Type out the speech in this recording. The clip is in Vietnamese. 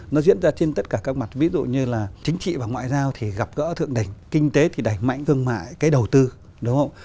nó diễn ra trên tất cả các mặt ví dụ như là chính trị và ngoại giao thì gặp gỡ thượng đỉnh kinh tế thì đẩy mạnh thương mại cái đầu tư đúng không